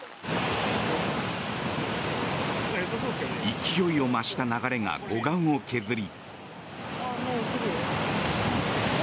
勢いを増した流れが護岸を削り。